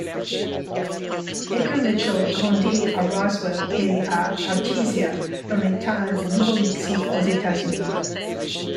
Edgar Mitchell grandit à Roswell et à Artesia dans l'état du Nouveau-Mexique aux États-Unis.